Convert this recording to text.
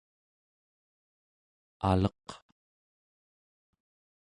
aleq